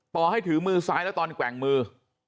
ต่อให้ถือมือซ้ายแล้วตอนแกว่งมือ